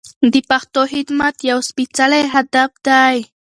د پښتو خدمت یو سپېڅلی هدف دی.